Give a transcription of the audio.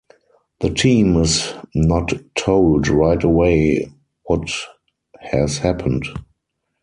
The team is not told right away what has happened.